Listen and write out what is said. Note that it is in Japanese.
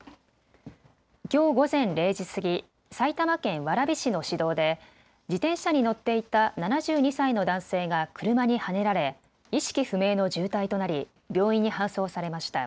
きょう午前０時過ぎ、埼玉県蕨市の市道で自転車に乗っていた７２歳の男性が車にはねられ意識不明の重体となり病院に搬送されました。